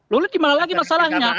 loh gimana lagi masalahnya